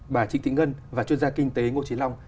bà trịnh thị ngân và chuyên gia kinh tế ngô trí long